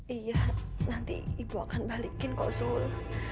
iya nanti ibu akan balikin kosul